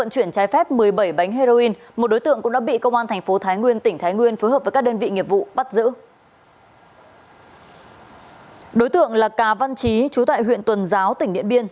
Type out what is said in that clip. chú tại huyện tuần giáo tỉnh điện biên